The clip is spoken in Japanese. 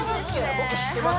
僕知ってます